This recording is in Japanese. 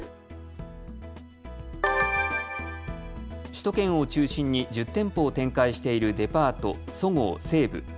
首都圏を中心に１０店舗を展開しているデパート、そごう・西武。